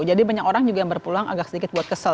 jadi banyak orang juga yang berpeluang agak sedikit buat kesel